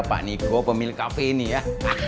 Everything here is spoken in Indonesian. pak niko pemilik kafe ini ya